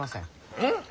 うん？